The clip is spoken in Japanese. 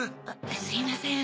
すいません。